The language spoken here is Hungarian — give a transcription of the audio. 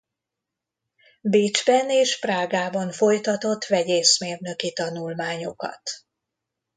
Bécsben és Prágában folytatott vegyészmérnöki tanulmányokat.